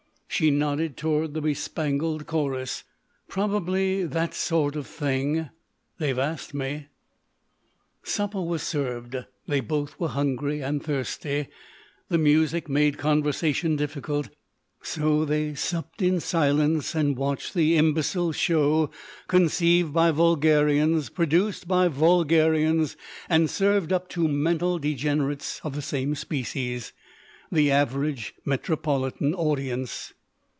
She nodded toward the bespangled chorus. "Probably that sort of thing. They've asked me." Supper was served. They both were hungry and thirsty; the music made conversation difficult, so they supped in silence and watched the imbecile show conceived by vulgarians, produced by vulgarians and served up to mental degenerates of the same species—the average metropolitan audience.